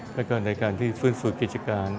และก็ในการที่ฟื้นกิจการ